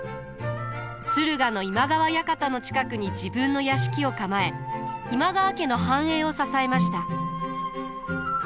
駿河の今川館の近くに自分の屋敷を構え今川家の繁栄を支えました。